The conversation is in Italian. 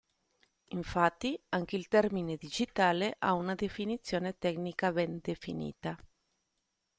Infatti, anche il termine "digitale" ha una definizione tecnica ben definita.